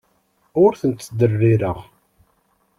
Ur tent-ttderrireɣ.